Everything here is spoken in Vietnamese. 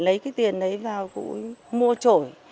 lấy cái tiền đấy vào cụ mua trổi